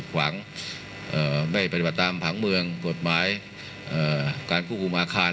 ทรงมีลายพระราชกระแสรับสู่ภาคใต้